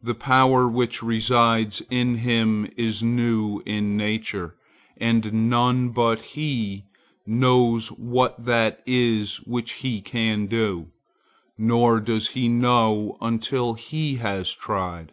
The power which resides in him is new in nature, and none but he knows what that is which he can do, nor does he know until he has tried.